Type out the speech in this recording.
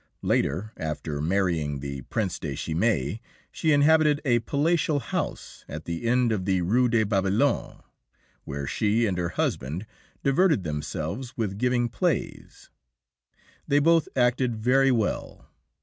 Later, after marrying the Prince de Chimay, she inhabited a palatial house at the end of the Rue de Babylone, where she and her husband diverted themselves with giving plays. They both acted very well.